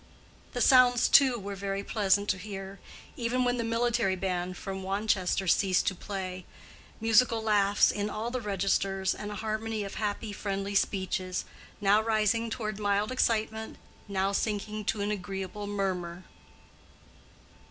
The sounds too were very pleasant to hear, even when the military band from Wanchester ceased to play: musical laughs in all the registers and a harmony of happy, friendly speeches, now rising toward mild excitement, now sinking to an agreeable murmur.